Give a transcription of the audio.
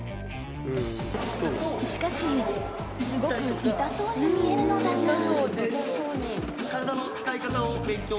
しかしすごく痛そうに見えるのだが。